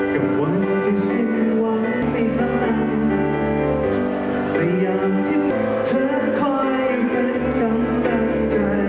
กับวันที่สิ้นหวังไม่นานแต่อย่างที่เธอคอยเป็นกำลังใจ